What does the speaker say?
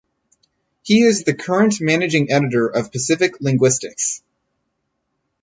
He is the current managing editor of Pacific Linguistics.